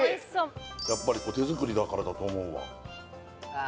やっぱり手作りだからだと思うわああ